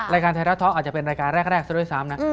รายการไทยรัฐท็อกอาจจะเป็นรายการแรกซะด้วยซ้ำนะ